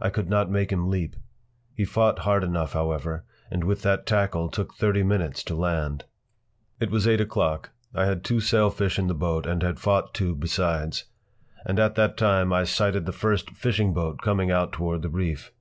I could not make him leap. He fought hard enough, however, and with that tackle took thirty minutes to land. It was eight o’clock. I had two sailfish in the boat and had fought two besides. And at that time I sighted the first fishing boat coming out toward the reef.